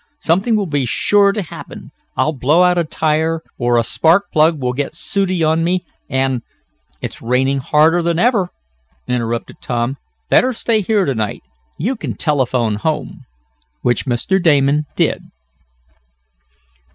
Something will be sure to happen. I'll blow out a tire, or a spark plug will get sooty on me and " "It's raining harder than ever," interrupted Tom. "Better stay here to night. You can telephone home." Which Mr. Damon did.